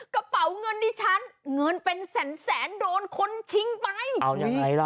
กระเป๋าเงินดิฉันเงินเป็นแสนแสนโดนคนชิงไปเอายังไงล่ะ